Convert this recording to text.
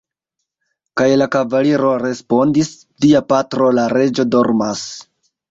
Kaj la kavaliro respondis: "Via patro, la reĝo, dormas.